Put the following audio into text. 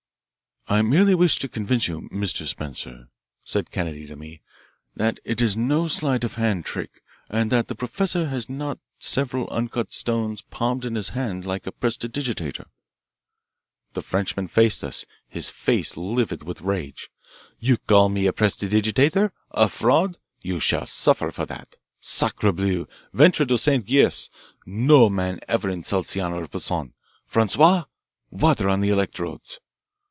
"I merely wish to convince you, 'Mr. Spencer,'" said Kennedy to me, "that it is no sleight of hand trick and that the professor has not several uncut stones palmed in his hand like a prestidigitator." The Frenchman faced us, his face livid with rage. "You call me a prestidigitator, a fraud you shall suffer for that! Sacrebleu! Ventre du Saint Gris! No man ever insults the honour of Poissan. Francois, water on the electrodes!"